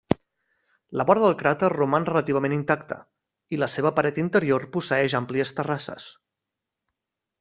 La vora del cràter roman relativament intacta, i la seva paret interior posseeix àmplies terrasses.